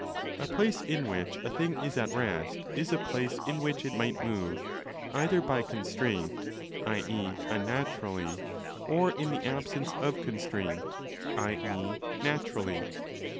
A place in which a thing is at rest is a place in which it might move, either by constraint, i.e. unnaturally, or in the absence of constraint, i.e. naturally.